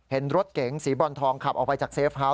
เห็นรถเก๋งสีบรอนทองขับออกไปจากเซฟเฮาส